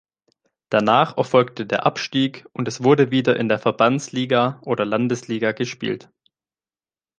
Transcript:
Danach erfolgte der Abstieg und es wurde wieder in der Verbandsliga oder Landesliga gespielt.